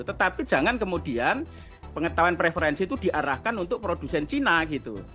tetapi jangan kemudian pengetahuan preferensi itu diarahkan untuk produsen cina gitu